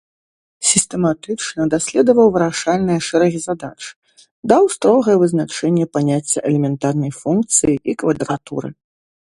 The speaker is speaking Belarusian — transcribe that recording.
Сістэматычна даследаваў вырашальныя шэрагі задач, даў строгае вызначэнне паняцця элементарнай функцыі і квадратуры.